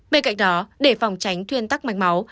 bên cạnh đó để phòng tránh thuyên tắc mạch máu